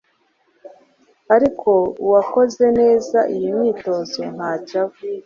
Ariko uwakoze neza iyi myitozo ntacyo aba